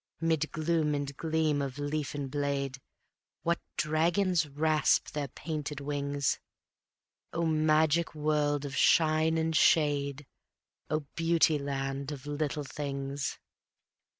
'Mid gloom and gleam of leaf and blade, What dragons rasp their painted wings! O magic world of shine and shade! O beauty land of Little Things!